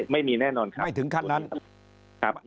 ไม่มีแน่นอนครับ